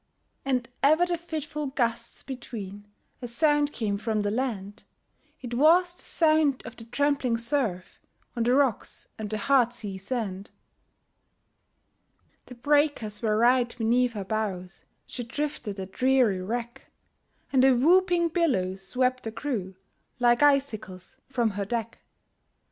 And ever the fitful gusts between A sound came from the land; It was the sound of the trampling surf, On the rocks and the hard sea sand. The breakers were right beneath her bows, She drifted a dreary wreck, And a whooping billow swept the crew Like icicles from her deck.